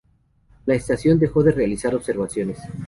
La estación dejó de realizar observaciones.